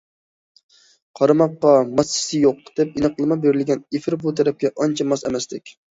قارىماققا« ماسسىسى يوق» دەپ ئېنىقلىما بېرىلگەن ئېفىر بۇ تەلەپكە ئانچە ماس ئەمەستەك.